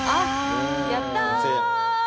やった！